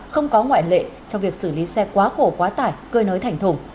không có ngoại lệ trong việc xử lý xe quá khổ quá tải cơi nới thành thùng